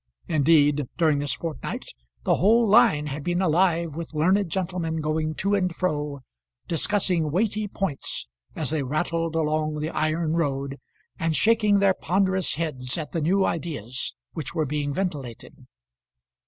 Indeed, during this fortnight the whole line had been alive with learned gentlemen going to and fro, discussing weighty points as they rattled along the iron road, and shaking their ponderous heads at the new ideas which were being ventilated.